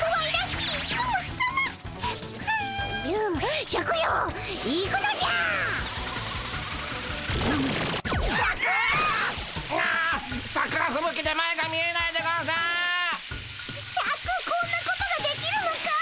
シャクこんなことができるのかい？